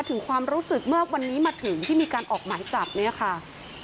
ถึงความรู้สึกเมื่อวันนี้มาถึงที่มีการออกหมายจับเนี่ยค่ะ